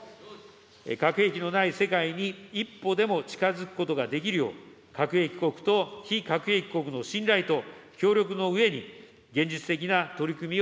核兵器のない世界に一歩でも近づくことができるよう、核兵器国と非核兵器国の信頼と協力のうえに、現実的な取り組みを